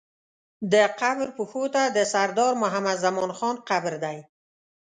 د قبر پښو ته د سردار محمد زمان خان قبر دی.